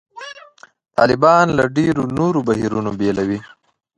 طالبان له ډېرو نورو بهیرونو بېلوي.